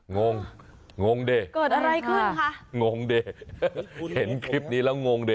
งงงงงดิเกิดอะไรขึ้นคะงงดิเห็นคลิปนี้แล้วงงดิ